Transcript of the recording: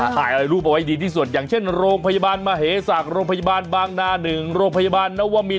ถ่ายอะไรรูปเอาไว้ดีที่สุดอย่างเช่นโรงพยาบาลมเหศักดิ์โรงพยาบาลบางนา๑โรงพยาบาลนวมิน